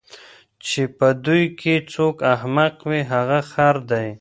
چی په دوی کی څوک احمق وي هغه خر دی